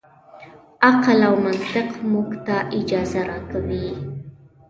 عقل او منطق موږ ته اجازه راکوي.